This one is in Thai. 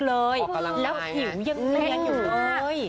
แล้วขี่วยังแหม่งอยู่